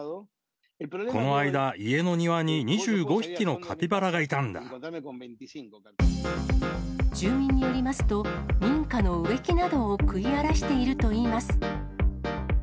この間、家の庭に２５匹のカピバ住民によりますと、民家の植木などを食い荒らしているといいます。